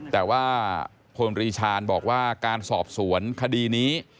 แต่ว่าพลตรีชาญบอกว่าการสอบสวนคดีนี้